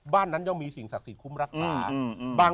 บ้านนั้นยังมีสิ่งสักสีขุ้มรักษา